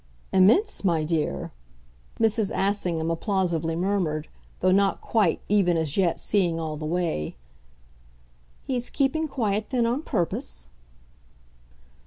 "Immense, my dear!" Mrs. Assingham applausively murmured, though not quite, even as yet, seeing all the way. "He's keeping quiet then on purpose?"